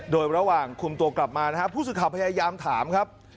โดยระหว่างคุมตัวกลับมาผู้สุข่าวพยายามถามครับ